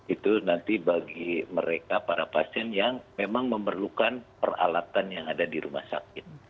itu nanti bagi mereka para pasien yang memang memerlukan peralatan yang ada di rumah sakit